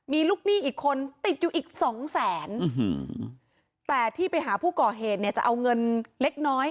มีลูกหนี้อีกคนติดอยู่อีกสองแสนแต่ที่ไปหาผู้ก่อเหตุเนี่ยจะเอาเงินเล็กน้อย